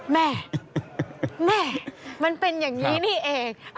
แม่แม่มันเป็นอย่างนี้นี่เอง